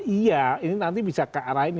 iya ini nanti bisa ke arah ini